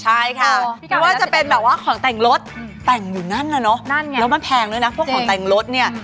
ใช่ค่ะไม่ว่าจะเป็นแบบว่าของแต่งรถแต่งอยู่นั่นแหละเนอะนั่นไงแล้วมันแพงด้วยนะพวกของแต่งรถเนี่ย